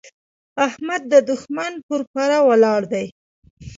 احمد د دوښمن پر پره ولاړ دی.